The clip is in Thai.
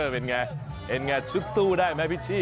เป็นไงเป็นไงชึกสู้ได้ไหมพิชชี่